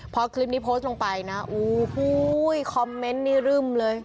พอคลิปนี้โพสต์ลงไปนะโอ้โหคอมเมนต์นี้รึ่มเลย